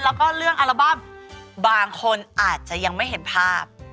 แล้วก็เรื่องอัลบั้มบางคนอาจจะยังไม่เห็นภาพ